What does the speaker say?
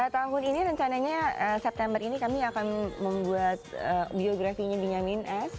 tahun ini rencananya september ini kami akan membuat biografinya dinyamin es